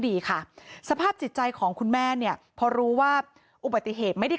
ดีค่ะสภาพจิตใจของคุณแม่เนี่ยพอรู้ว่าอุบัติเหตุไม่ได้